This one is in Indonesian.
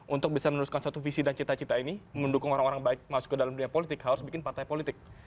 untuk bisa meneruskan satu visi dan cita cita ini mendukung orang orang baik masuk ke dalam dunia politik harus bikin partai politik